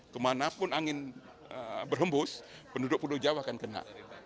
kemanapun angin berhembus penduduk pulau jawa akan kena